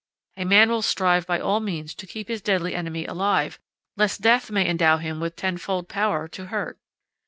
A man will strive by all means to keep his deadly enemy alive, lest death may endow him with tenfold power to hurt.